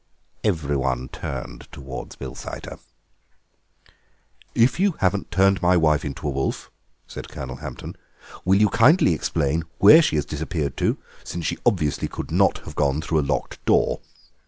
Everyone turned towards Bilsiter. "If you haven't turned my wife into a wolf," said Colonel Hampton, "will you kindly explain where she has disappeared to, since she obviously could not have gone through a locked door?